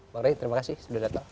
bang ray terima kasih sudah datang